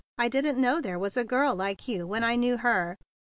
I didn't know there was a girl like you when I knew her."